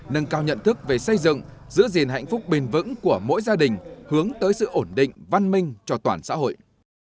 nâng cao nhận thức về xây dựng giữ gìn hạnh phúc bền vững của mỗi gia đình hướng tới sự ổn định văn minh cho toàn xã hội